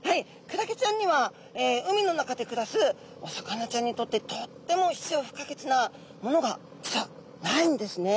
クラゲちゃんには海の中で暮らすお魚ちゃんにとってとっても必要不可欠なものが実はないんですね。